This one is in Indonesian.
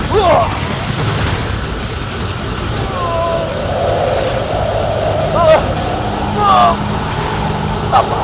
wahai kujang kembar